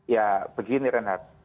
ya begini renhard